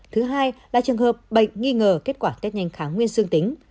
thứ hai là trường hợp bệnh nghi ngờ kết quả tết nhanh kháng nguyên dương tính